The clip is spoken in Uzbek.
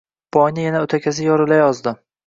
Boyni yana o‘takasi yorilayozdi.